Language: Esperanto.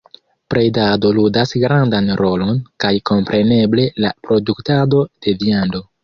Bredado ludas grandan rolon, kaj kompreneble la produktado de viando.